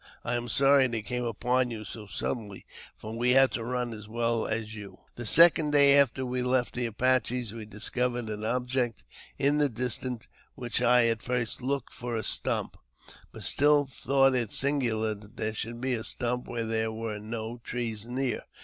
I am sorry they came upon you so suddenly, for we had to run as well as you." The second day after we left the Apaches we discovered an object in the distance which I at first took for a stump, but still thought it singular that there should be a stump where there were no trees near.